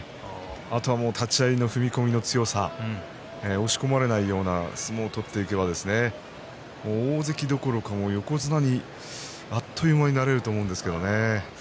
あとは、もう立ち合いの踏み込みの強さ押し込まれないような相撲を取っていけば大関どころか横綱にあっという間になれると思うんですけどね。